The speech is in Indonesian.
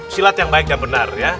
silat yang baik dan benar ya